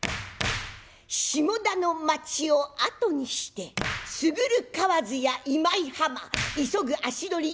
下田の町を後にして過ぐる河津や今井浜急ぐ足取り